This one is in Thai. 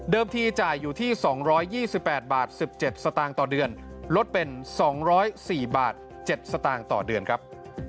ทีจ่ายอยู่ที่๒๒๘บาท๑๗สตางค์ต่อเดือนลดเป็น๒๐๔บาท๗สตางค์ต่อเดือนครับ